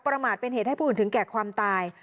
ประมาทเป็นเหตุให้ผู้อื่นถึงแก่ความตาย